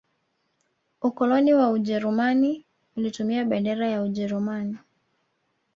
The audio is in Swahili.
ukoloni wa ujerumani ulitumia bendera ya ujeruman